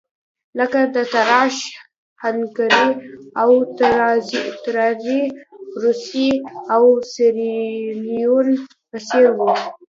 لکه د اتریش-هنګري او تزاري روسیې او سیریلیون په څېر وو.